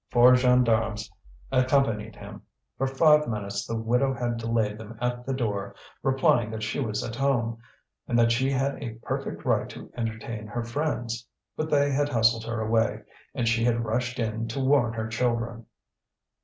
Four gendarmes accompanied him. For five minutes the widow had delayed them at the door, replying that she was at home, and that she had a perfect right to entertain her friends. But they had hustled her away, and she had rushed in to warn her children.